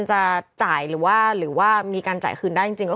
เขายืนดีกากันอยู่